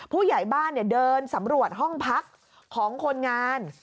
ผู้ใหญ่บ้านเดินสำรวจห้องพักของคนงาน